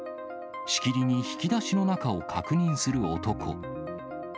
しきりに引き出しの中を確認する男。